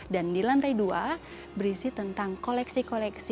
dan di lantai dua berisi tentang koleksi koleksi